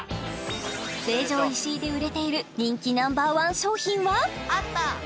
成城石井で売れている人気Ｎｏ．１商品は？